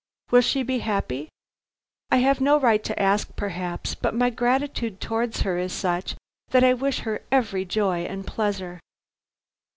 Will she be happy? I have no right to ask, perhaps, but my gratitude towards her is such that I wish her every joy and pleasure."